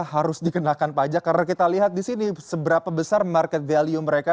harus dikenakan pajak karena kita lihat di sini seberapa besar market value mereka